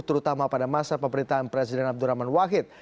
terutama pada masa pemerintahan presiden abdurrahman wahid